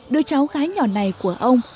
đứa cháu gái nhỏ này của ông